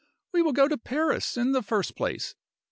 We will go to Paris, in the first place.